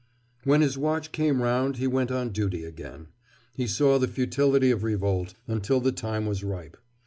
When his watch came round he went on duty again. He saw the futility of revolt, until the time was ripe.